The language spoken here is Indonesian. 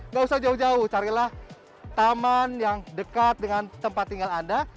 nggak usah jauh jauh carilah taman yang dekat dengan tempat tinggal anda